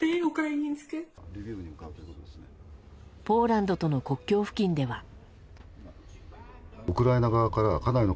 ポーランドとの国境付近では。